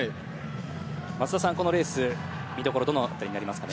松田さん、このレース見どころどの辺りになりますか？